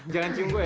jangan cium gue ya